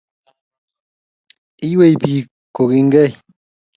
Iywei bik kokinykei